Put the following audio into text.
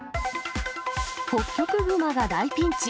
ホッキョクグマが大ピンチ。